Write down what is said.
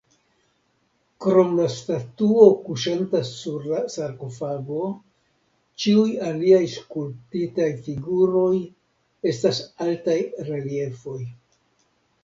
Krom la statuo kuŝanta sur la sarkofago, ĉiuj aliaj skulptitaj figuroj estas altaj reliefoj.